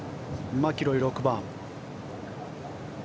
マキロイ、６番。